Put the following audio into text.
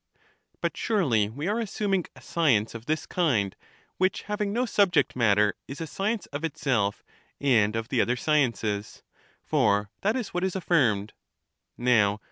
But surely we are assuming a science of this kind, which, having no subject matter, is a science of itself and of the other sciences; for that is what is affirmed. Now.